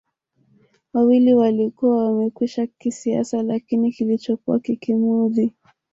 wawili walikuwa wamekwisha kisiasa Lakini kilichokuwa kikimuudhi